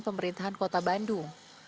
pemerintahan kota bandung